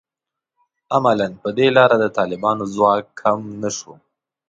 عملاً په دې لاره د طالبانو ځواک کم نه شو